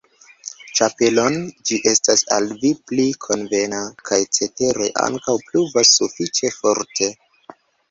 ĉapelon, ĝi estas al vi pli konvena, kaj cetere ankaŭ pluvas sufiĉe forte.